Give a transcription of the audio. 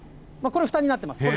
これ、ふたになってます。